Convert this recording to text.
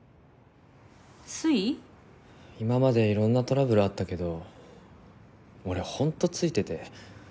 今までいろんなトラブルあったけど俺本当ツイてて。